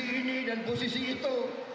ini dan posisi itu